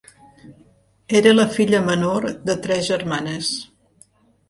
Era la filla menor de tres germanes.